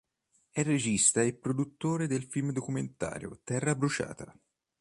È regista e produttore del film-documentario "Terra bruciata!